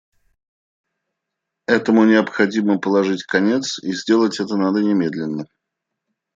Этому необходимо положить конец и сделать это надо немедленно.